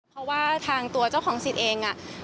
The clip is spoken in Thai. เพราะว่าทางตัวเจ้าของสิทธิ์เอง